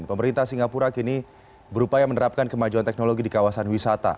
pemerintah singapura kini berupaya menerapkan kemajuan teknologi di kawasan wisata